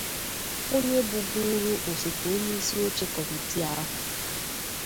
onye bụbuuru osote onyisioche kọmitii ahụ.